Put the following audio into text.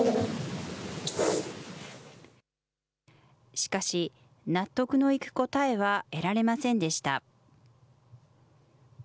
しかし、納得のいく答えは得られませんでした。